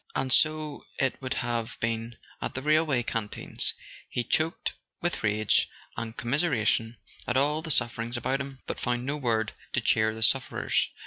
And so it would have been at the railway canteens; he choked with rage and commiseration at all the suffering about him, but found no word to cheer the sufferers.